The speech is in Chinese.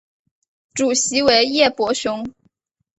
主席为叶柏雄。